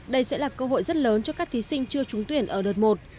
đây sẽ là cơ hội rất lớn cho các thí sinh chưa trúng tuyển ở đợt một